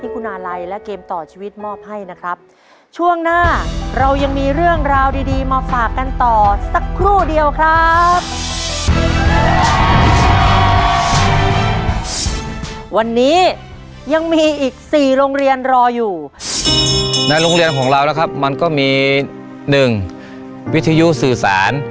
วันนี้ยังมีอีก๔โรงเรียนรออยู่ในโรงเรียนของเรานะครับมันก็มีหนึ่งวิทยุสื่อสาร